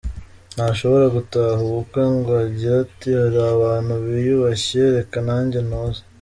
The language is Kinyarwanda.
Ntashobora gutaha ubukwe ngo agire ati hari abantu biyubashye reka nanjye ntuze.